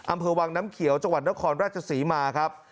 อำเภอวังน้ำเขียวจังหวัดนครราชศรีมาครับ